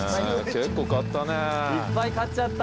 結構買ったね。